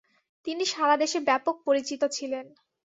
তিনি সারাদেশে ব্যাপক পরিচিত ছিলেন।